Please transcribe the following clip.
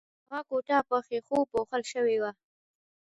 هغه کوټه په ښیښو پوښل شوې وه